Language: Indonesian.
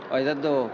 oh itu tentu